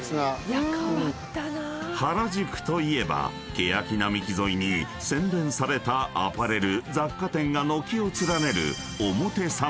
［原宿といえばケヤキ並木沿いに洗練されたアパレル雑貨店が軒を連ねる］